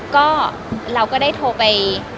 ก็เราก็ได้โทรไป